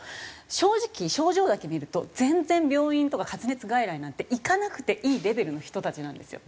正直症状だけ見ると全然病院とか発熱外来なんて行かなくていいレベルの人たちなんですよ。